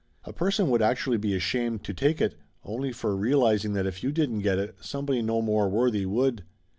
A person would actually be ashamed to take it, only for realizing that if you didn't get it somebody no more worthy would.